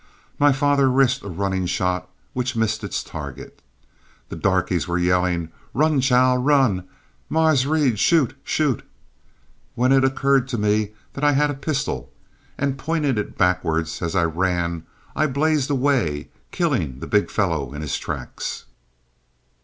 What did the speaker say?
My father risked a running shot, which missed its target. The darkies were yelling, "Run, chile! Run, Mars' Reed! Shoot! Shoot!" when it occurred to me that I had a pistol; and pointing it backward as I ran, I blazed away, killing the big fellow in his tracks.